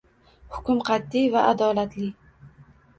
Hukm qat’iy va adolatli.